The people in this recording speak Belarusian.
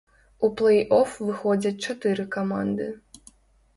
У плэй-оф выходзяць чатыры каманды.